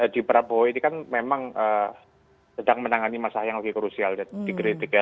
di prabowo ini kan memang sedang menangani masalah yang lebih krusial dan dikritik ya